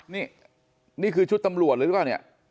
นี่นี่คือชุดตำรวจเลยหรือเปล่าเนี่ย